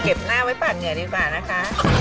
เก็บหน้าไว้ปากเหงื่อดีกว่านะคะ